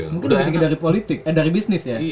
mungkin lebih tinggi dari bisnis ya